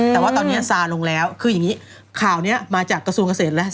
แต่ว่าตอนนี้ซาลงแล้วคืออย่างนี้ข่าวนี้มาจากกระทรวงเกษตรแล้ว